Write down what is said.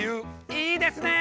いいですね！